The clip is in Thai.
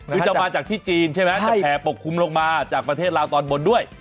คือจะมาจากที่จีนใช่ไหมจะแผ่ปกคลุมลงมาจากประเทศลาวตอนบนด้วย